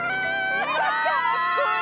かっこいい！